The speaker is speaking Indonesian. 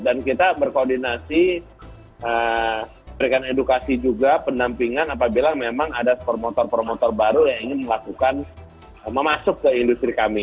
dan kita berkoordinasi memberikan edukasi juga pendampingan apabila memang ada promotor promotor baru yang ingin melakukan memasuk ke industri kami